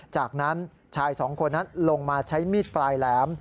จากนั้นชายสองคนนั้นลงมาใช้มีดปลายแหลม